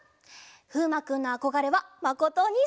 ふうまくんのあこがれはまことおにいさんなんだって！